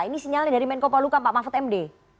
ini sinyalnya dari menko paluka pak mahfud md